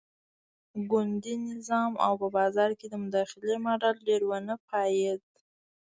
ګوندي نظام او په بازار کې د مداخلې ماډل ډېر ونه پایېد.